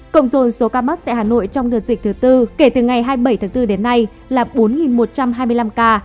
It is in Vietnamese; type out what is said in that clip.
cộng dồn số ca mắc tại hà nội trong đợt dịch thứ tư kể từ ngày hai mươi bảy tháng bốn đến nay là bốn một trăm hai mươi năm ca